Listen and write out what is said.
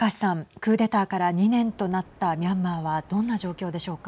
クーデターから２年となったミャンマーはどんな状況でしょうか。